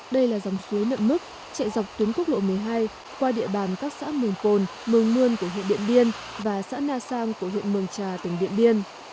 đây là dòng suối nợ mức chạy dọc tuyến quốc lộ một mươi hai qua địa bàn các xã mường cồn mường nguyên của hiện điện biên và xã na sang của hiện mường trà tỉnh điện biên